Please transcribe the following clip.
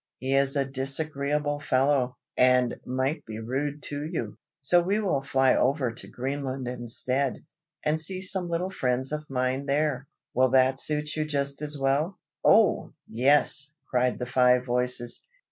He is a disagreeable fellow, and might be rude to you, so we will fly over to Greenland instead, and see some little friends of mine there. Will that suit you just as well?" "Oh! yes," cried the five voices.